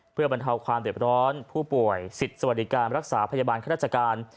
เพื่อบรรเทาความเด็บร้อนผู้ป่วยสิทธิ์สวัสดิการรักษาพยาบาลข้าราชการ